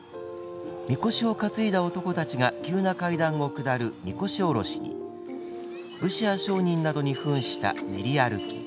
神輿を担いだ男たちが急な階段を下る神輿おろしに武士や商人などにふんした練り歩き。